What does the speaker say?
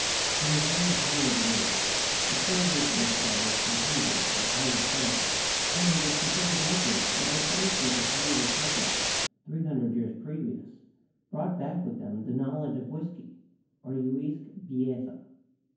In the reign of Henry VIII, distil 86 CHEMISTRY leries were established in Pembroke by Irish settlers, and it is considered likely that the soldiers of Henry II, 300 years previous, brought back with them the knowledge of whisky, or 'uisque beatha.'